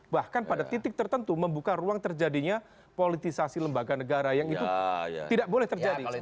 bahkan pada titik tertentu membuka ruang terjadinya politisasi lembaga negara yang itu tidak boleh terjadi